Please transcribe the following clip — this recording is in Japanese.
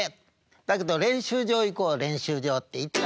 だけど練習場行こう練習場」って行ったら。